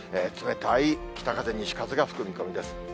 冷たい北風、西風が吹く見込みです。